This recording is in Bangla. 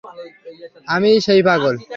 আমিই সেই পাগল।